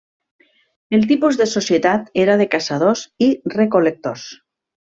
El tipus de societat era de caçadors i recol·lectors.